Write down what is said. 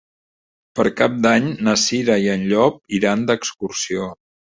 Per Cap d'Any na Cira i en Llop iran d'excursió.